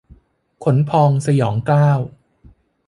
ขนพองสยองเกล้า